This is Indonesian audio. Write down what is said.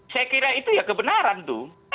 saya kira itu ya kebenaran tuh